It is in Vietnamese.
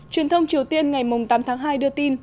truyền thông triều tiên ngày tám tháng hai đưa tin